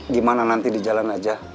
gimana nanti di jalan aja